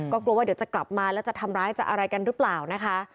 ก็กลัวว่าเดี๋ยวจะกลับมาแล้วจะทำร้ายจะอะไรกันหรือเปล่านะคะ